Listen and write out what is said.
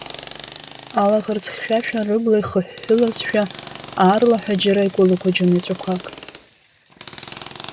Алаӷырӡ хьшәашәа рыбла ихыҳәҳәылазшәа, аарлаҳәа џьара икәалыкәаџьон еҵәақәак.